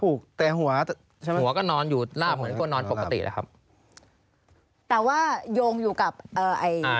ผูกแต่หัวหัวก็นอนอยู่หน้าผมเป็นคนนอนปกติแหละครับแต่ว่ายงอยู่กับเอ่อไอ